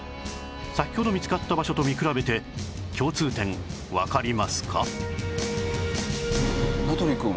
先ほど見つかった場所と見比べて共通点わかりますか？